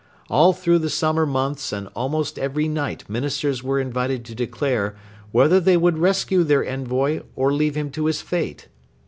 All through the summer months and almost every night Ministers were invited to declare whether they would rescue their envoy or leave him to his fate.